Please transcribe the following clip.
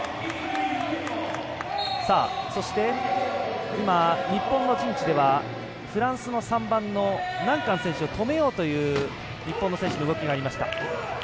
そして今、日本の陣地ではフランスの３番のナンカン選手を止めようという日本の選手の動きがありました。